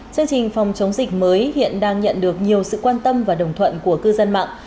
chương trình phòng chống dịch mới hiện đang nhận được nhiều sự quan tâm và đồng thuận của cư dân mạng